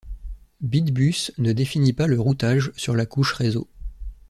Bitbus ne définit pas le routage sur la couche réseau.